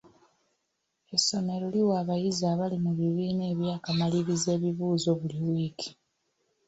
Essomero liwa abayizi abali mu bibiina eby'akamalirizo ebibuuzo buli wiiki.